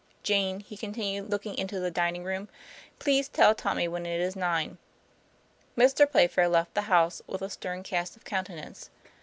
Jane," he continued, looking into the dining room, '* please tell Tommy when it is nine." Mr. Playfair left the house with a stern cast of countenance.